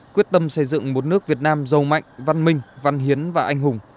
quyết tâm xây dựng một nước việt nam giàu mạnh văn minh văn hiến và anh hùng